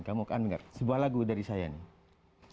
kamu kan dengar sebuah lagu dari saya nih